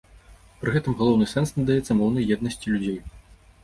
Пры гэтым галоўны сэнс надаецца моўнай еднасці людзей.